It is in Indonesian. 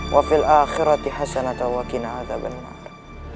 wafil akhirati hasana tawakin adab anwar